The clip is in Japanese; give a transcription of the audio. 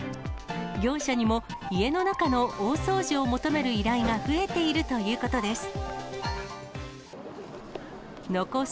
業者にも家の中の大掃除を求める依頼が増えているということです。